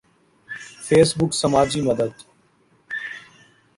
face بک سماجی مدد